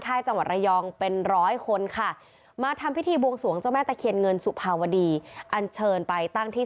แต่เห็นไม่เหมือนที่เขาเห็นไง